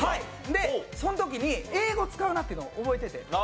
でその時に英語使うなっていうの覚えてて。